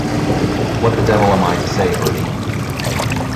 What the devil am I to say, Bertie?